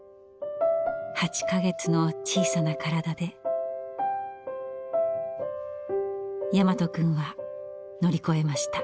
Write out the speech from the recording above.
８か月の小さな体で大和くんは乗り越えました。